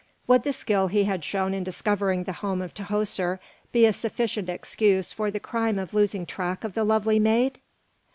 Would the skill he had shown in discovering the home of Tahoser be a sufficient excuse for the crime of losing track of the lovely maid?